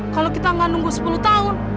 kalo kita gak nunggu sepuluh tahun